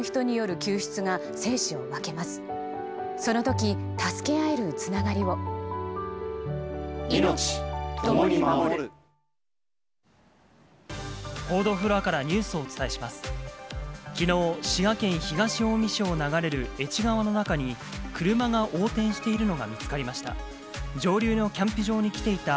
きのう、滋賀県東近江市を流れる愛知川の中に、車が横転しているのが見つかりました。